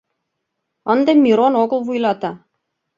Ынде Мирон огыл вуйлата.